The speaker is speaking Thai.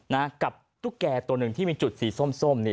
นะกับตุ๊กแก่ตัวหนึ่งที่มีจุดสีส้มส้มนี่